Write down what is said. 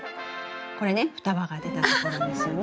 これね双葉が出たところですよね。